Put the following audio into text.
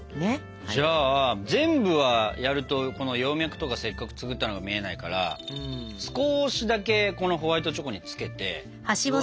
じゃあ全部はやるとこの葉脈とかせっかく作ったの見えないから少しだけこのホワイトチョコにつけて。